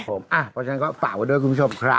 เพราะฉะนั้นก็ฝากไว้ด้วยคุณผู้ชมครับ